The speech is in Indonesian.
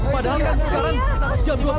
padahal kan sekarang jam dua belas